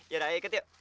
yaudah ikut yuk